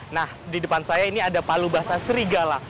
nah di depan saya ini ada palubasa serigala